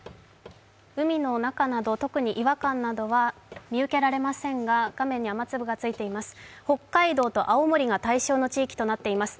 海の中など、特に違和感などは見受けられませんが画面に雨粒がついています。